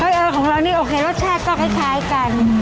เออของเรานี่โอเครสชาติก็คล้ายกัน